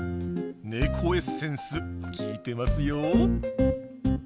ねこエッセンス効いてますよ！